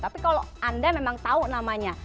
tapi kalau anda memang tahu namanya